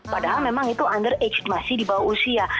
padahal memang itu underage masih di bawah usia